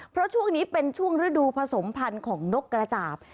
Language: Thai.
เพราะช่วงนี้เป็นช่วงฤดูผสมพันธุ์ของนกกระจาบ